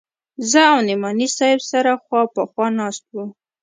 زه او نعماني صاحب سره خوا په خوا ناست وو.